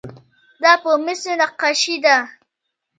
دا په مسو نقاشي ده.